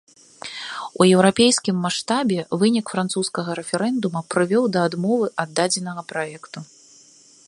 У еўрапейскім маштабе вынік французскага рэферэндума прывёў да адмовы ад дадзенага праекту.